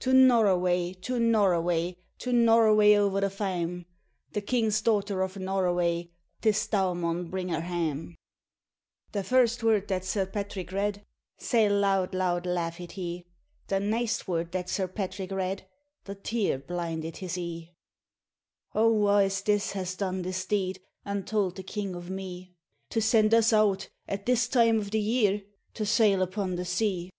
*To Noroway, to Noroway, To Noroway o'er the faem; The king's daughter of Noroway, ' Tis thou maun bring her hame.' The first word that Sir Patrick read, Sae loud loud laughed he; The neist word that Sir Patrick read, The tear blinded his e'e. 'O wha is this has done this deed, And tauld the king o' me, noil RAINBOW GOLD To send us out, at this time of the year, To sail upon the sea?'